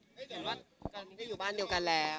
อยู่บ้านเดียวกันแล้ว